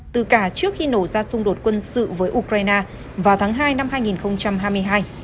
từ cả trước khi nổ ra xung đột quân sự với ukraine vào tháng hai năm hai nghìn hai mươi hai